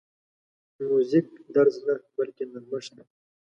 موزیک درز نه، بلکې نرمښت دی.